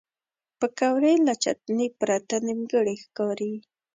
پکورې له چټنې پرته نیمګړې ښکاري